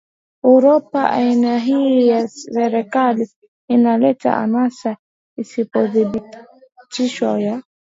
Uropa Aina hii ya serikali inaleta anasa isiyodhibitiwa ya